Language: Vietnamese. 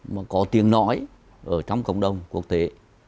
mà có tiếng nói ở trong cộng đồng quốc tế